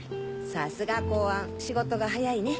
さすが公安仕事が早いね。